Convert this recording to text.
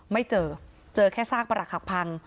ไม่เจอเจอแค่ซากประหลักหักพัง